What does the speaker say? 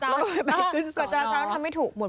แต่ว่าจะละซ้อนทำไม่ถูก